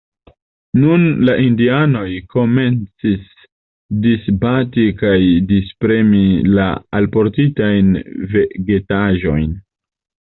Nun la indianoj komencis disbati kaj dispremi la alportitajn vegetaĵojn.